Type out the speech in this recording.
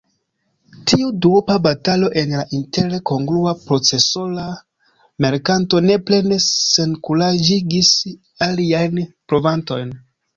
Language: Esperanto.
Tiu duopa batalo en la Intel-kongrua procesora merkato ne plene senkuraĝigis aliajn provantojn.